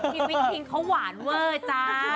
ทีวินทิ้งเขาหวานเว่ยจ๊ะ